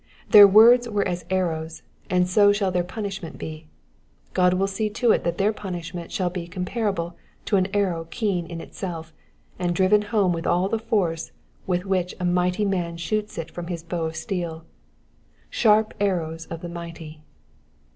Their words were as arrows, and so shall their punishment be. Qod will see to it that their punishment shall be comparable to an arrow keen in itself, and driven home with all the force with which a mighty man shoots it from his bow of steel, —sharp arrows of the mighty."